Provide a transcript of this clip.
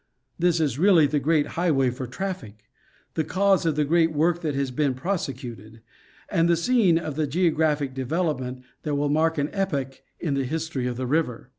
This is really the great highway for traffic ; the cause of the great work that has been prosecuted ; and the scene of the geo 49 National Geographic M agazine. graphic development that will mark an epoch in the history of the river.